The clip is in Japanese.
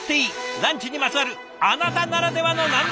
ランチにまつわるあなたならではの何でも自慢。